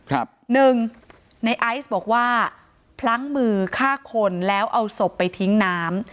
หนึ่งในไอซ์บอกว่าพลั้งมือฆ่าคนแล้วเอาศพไปทิ้งน้ำ